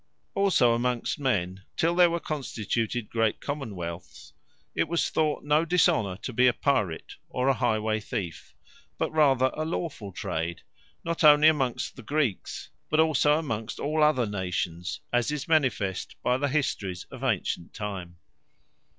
Also amongst men, till there were constituted great Common wealths, it was thought no dishonour to be a Pyrate, or a High way Theefe; but rather a lawfull Trade, not onely amongst the Greeks, but also amongst all other Nations; as is manifest by the Histories of antient time.